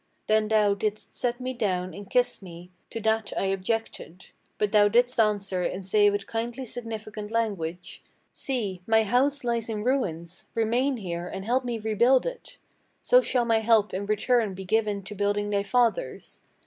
Then thou didst set me down and kiss me; to that I objected; But thou didst answer and say with kindly significant language: 'See! my house lies in ruins: remain here and help me rebuild it; So shall my help in return be given to building thy father's.'